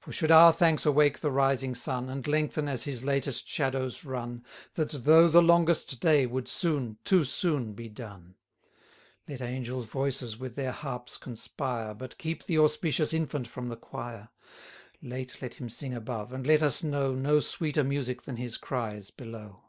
For should our thanks awake the rising sun, And lengthen, as his latest shadows run, That, though the longest day, would soon, too soon be done. 320 Let angels' voices with their harps conspire, But keep the auspicious infant from the quire; Late let him sing above, and let us know No sweeter music than his cries below.